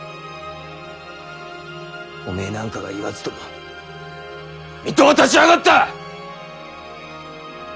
おめえなんかが言わずとも水戸は立ち上がった！